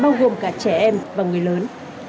bao gồm cả trẻ em và người lớn